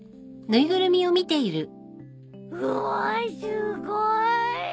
うわすごい。